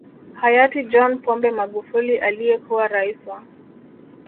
Hayati John Pombe Magufuli aliyekuwa Rais wa